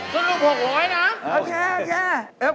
คุณลูกผงหัวไหวนะอ่าโอเค